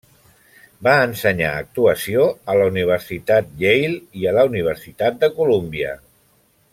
Va ensenyar actuació a la Universitat Yale i la Universitat de Colúmbia.